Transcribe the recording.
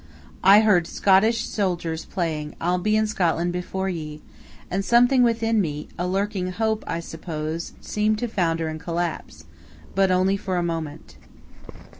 I heard Scottish soldiers playing, "I'll be in Scotland before ye!" and something within me, a lurking hope, I suppose, seemed to founder and collapse but only for a moment.